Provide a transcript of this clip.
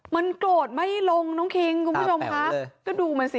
มันโกรธไม่ลงน้องคิงก็ดูมันซิ